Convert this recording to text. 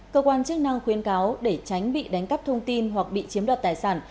cơ quan chức năng khuyến cáo để tránh bị đánh cắp thông tin hoặc bị chiếm đoạt tài sản